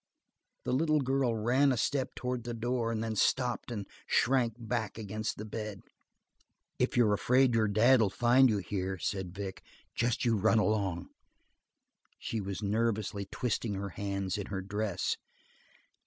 The little girl ran a step towards the door, and then stopped and shrank back against the bed. "If you're afraid your Dad'll find you here," said Vic, "just you run along." She was nervously twisting her hands in her dress.